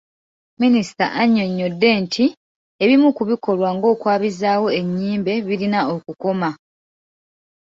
Minisita annyonnyodde nti ebimu ku bikolwa ng’okwabizaawo ennyimbe birina okukoma.